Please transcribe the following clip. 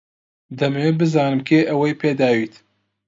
دەمەوێت بزانم کێ ئەوەی پێداویت.